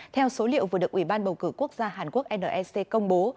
theo số liệu vừa được ủy ban bầu cử quốc gia hàn quốc nec công bố